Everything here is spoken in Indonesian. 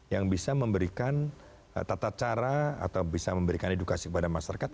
yang bisa memberikan tata cara atau bisa memberikan edukasi kepada masyarakat